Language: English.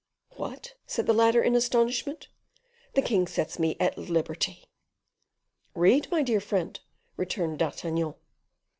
"What!" said the latter in astonishment, "the king sets me at liberty!" "Read, my dear friend," returned D'Artagnan.